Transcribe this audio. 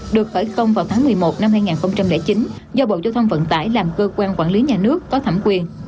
được khởi công vào tháng một mươi một năm hai nghìn chín do bộ giao thông vận tải làm cơ quan quản lý nhà nước có thẩm quyền